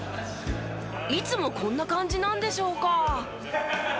いつもこんな感じなんでしょうか？